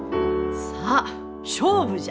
さあ勝負じゃ！